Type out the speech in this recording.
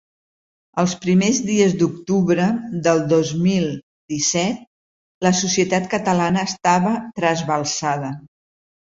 Els primers dies d’octubre del dos mil disset la societat catalana estava trasbalsada.